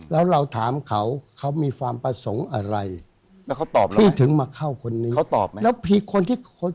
แล้วไล่ยังไง